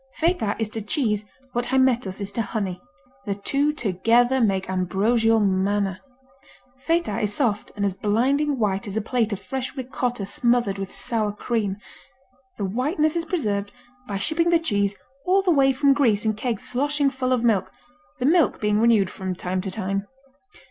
Feta is to cheese what Hymettus is to honey. The two together make ambrosial manna. Feta is soft and as blinding white as a plate of fresh Ricotta smothered with sour cream. The whiteness is preserved by shipping the cheese all the way from Greece in kegs sloshing full of milk, the milk being renewed from time to time.